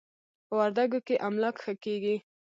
په وردکو کې املاک ښه کېږي.